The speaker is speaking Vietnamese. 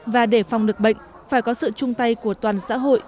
và để phòng được bệnh phải có sự chung tay của toàn xã hội